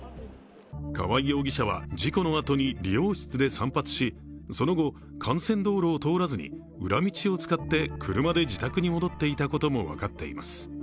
川合容疑者は事故のあとに理容室で散髪しその後、幹線道路を通らずに裏道を使って車で自宅に戻っていたことも分かっています。